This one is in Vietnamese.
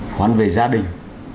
khó khăn về gia đình